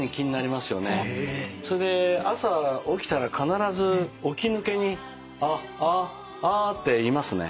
それで朝起きたら必ず起き抜けに「あっあっあっ」て言いますね。